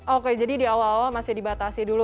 oke jadi di awal awal masih dibatasi dulu